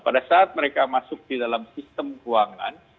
pada saat mereka masuk di dalam sistem keuangan